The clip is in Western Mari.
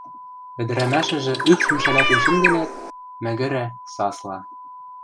Ӹдӹрӓмӓшӹжӹ ӱпшӹм шӓлӓтен шӹнденӓт, мӓгӹрӓ, сасла